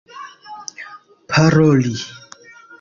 paroli